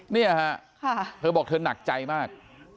เนี่ยฮะเธอบอกเธอหนักใจมาก